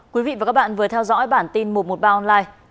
quý vị và các bạn vừa theo dõi bản tin một trăm một mươi ba online